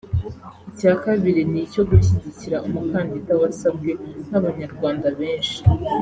Icya kabiri ni icyo gushyigikira umukandida wasabwe n’Abanyarwanda benshi